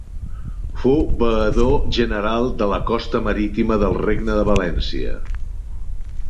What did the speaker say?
Fou veedor general de la costa marítima del Regne de València.